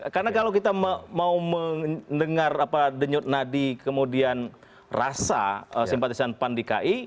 karena kalau kita mau mendengar denyut nadi kemudian rasa simpatisan pan di ki